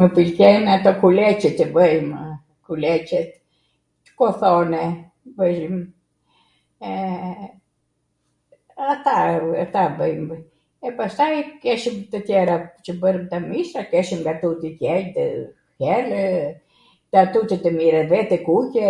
Mw pwlqejnw ato kuleCe qw bwjmw, kuleCet, kothorne bwjwm, eee, ata bwjmw, e pastaj keshwm tw tjerat qw bwjmw, nga mishrat, keshem nga tuti gjell, nga tuti tw mira, ve tw kuqe...